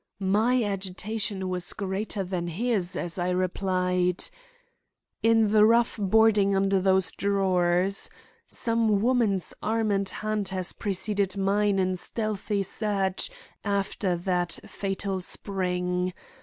My agitation was greater than his as I replied: "In the rough boarding under those drawers. Some woman's arm and hand has preceded mine in stealthy search after that fatal spring.